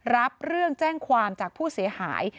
รับเรื่องแจ้งความจากผู้เสียหาย